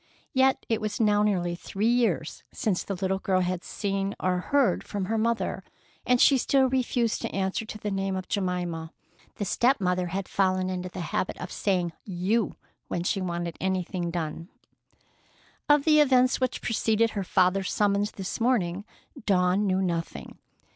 Yet it was now nearly three years since the little girl had seen or heard from her mother, and she still refused to answer to the name of Jemima. The step mother had fallen into the habit of saying "you" when she wanted anything done. Of the events which preceded her father's summons this morning, Dawn knew nothing.